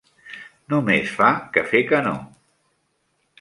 Només fa que fer que no.